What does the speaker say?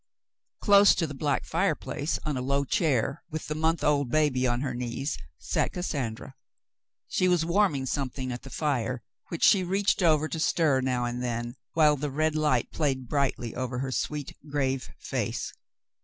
Close to the black fireplace on a low chair, with the month old baby on her knees, sat Cassandra. She was warming something at the fire, which she reached over to stir now and then, while the red light played brightly over her sweet, grave face.